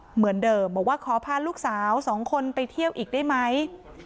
เหมือนเดิมบอกว่าขอพาลูกสาว๒คนไปเที่ยวอีกได้ไหม